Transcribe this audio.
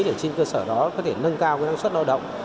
để trên cơ sở đó có thể nâng cao năng suất lao động